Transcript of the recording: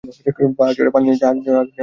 পাহাড়চূড়ায়, পানির নিচে, আগ্নেয়গিরিতে।